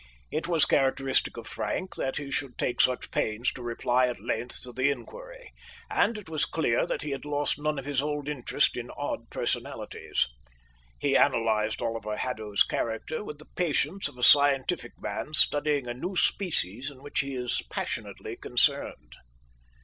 It was characteristic of Frank that he should take such pains to reply at length to the inquiry, and it was clear that he had lost none of his old interest in odd personalities. He analysed Oliver Haddo's character with the patience of a scientific man studying a new species in which he is passionately concerned.